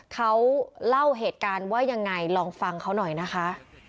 เขาเล่าเหตุการณ์ว่ายังไงลองฟังเขาหน่อยนะคะ